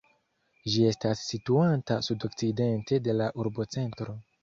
Ĝi estas situanta sudokcidente de la urbocentro.